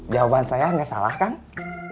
jawaban saya nggak salah kang